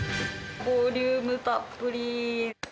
ボリュームたっぷり。